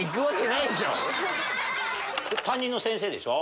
担任の先生でしょ？